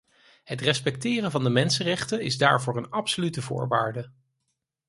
Het respecteren van de mensenrechten is daarvoor een absolute voorwaarde.